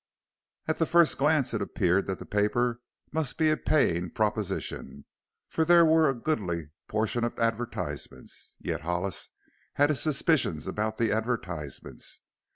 At the first glance it appeared that the paper must be a paying proposition, for there were a goodly proportion of advertisements. Yet Hollis had his suspicions about the advertisements.